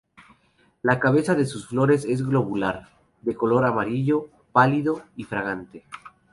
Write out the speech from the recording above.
La cabeza de sus flores es globular, de color amarillo pálido y fragante.